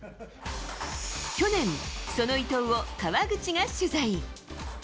去年、その伊藤を川口が取材。